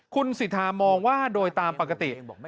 คุณสิทธามองว่าโดยตามปกติ